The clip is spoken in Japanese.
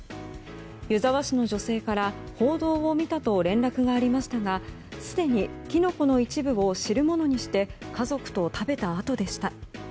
湯沢市の女性から報道を見たと連絡がありましたがすでにキノコの一部を汁物にして家族と食べたあとでした。